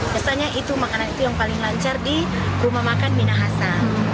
biasanya itu makanan itu yang paling lancar di rumah makan minahasa